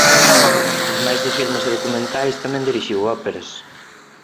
Ademais de filmes e documentais tamén dirixiu óperas.